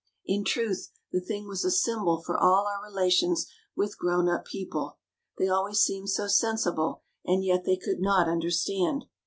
In truth, the thing was a symbol for all our relations with grown up people. They always seemed so sensible and yet they could not understand.